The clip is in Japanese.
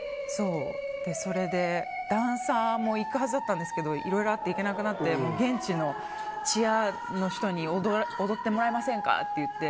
それでダンサーも行くはずだったんですけどいろいろあって行けなくなって現地のチアの人に踊ってもらえませんかって言って。